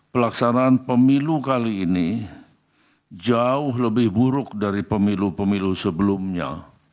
pelaksanaan pemilu kali ini jauh lebih buruk dari pemilu pemilu sebelumnya